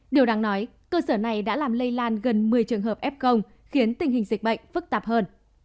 điều đáng nói cơ sở này đã làm lây lan gần một mươi trường hợp f khiến tình hình dịch bệnh phức tạp hơn